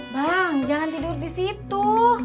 bang jangan tidur disitu